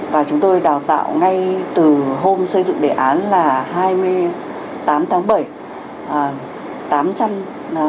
và chúng tôi đào tạo ngay từ hôm xây dựng đề án là hai mươi tám tháng bảy